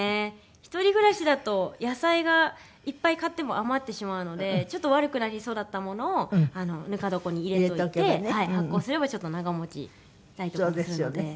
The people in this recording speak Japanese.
一人暮らしだと野菜がいっぱい買っても余ってしまうのでちょっと悪くなりそうだったものをぬか床に入れといて発酵すればちょっと長持ちしたりとかもするので。